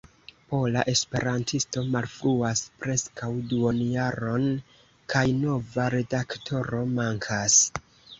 Pola Esperantisto malfruas preskaŭ duonjaron, kaj nova redaktoro mankas.